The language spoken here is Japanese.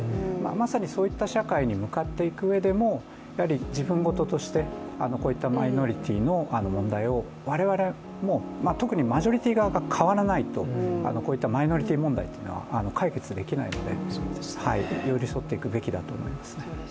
まさにそういった社会に向かっていくうえでも自分事としてこういったマイノリティーの問題を我々も、特にマジョリティー側が変わらないとこういったマイノリティー問題は解決できないので寄り添っていくべきだと思いますね。